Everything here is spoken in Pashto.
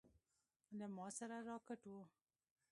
له ما سره راکټ و.